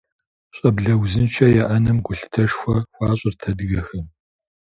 Щӏэблэ узыншэ яӏэным гулъытэшхуэ хуащӏырт адыгэхэм.